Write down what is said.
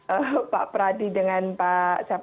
untuk bukan hanya mengorek tentang friksi antara